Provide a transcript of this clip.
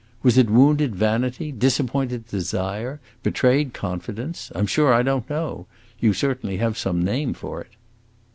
"Was it wounded vanity, disappointed desire, betrayed confidence? I am sure I don't know; you certainly have some name for it."